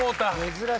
珍しい。